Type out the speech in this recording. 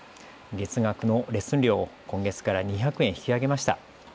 月額のレッスン料を今月から２００円引き上げました。